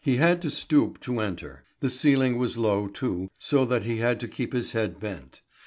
He had to stoop to enter. The ceiling was low, too, so that he had to keep his head bent.